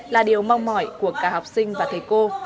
là điều mong mỏi của cả học sinh và thầy cô